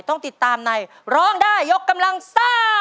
ต้องติดตามในร้องได้ยกกำลังซ่า